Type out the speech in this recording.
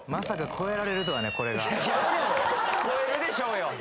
超えるでしょうよ